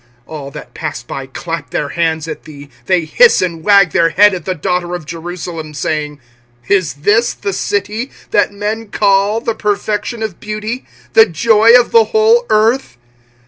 25:002:015 All that pass by clap their hands at thee; they hiss and wag their head at the daughter of Jerusalem, saying, Is this the city that men call The perfection of beauty, The joy of the whole earth?